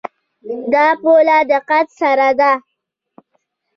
دا په لا دقت سره ده.